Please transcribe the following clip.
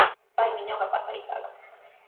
Paymi ñuqapa taytaaqa.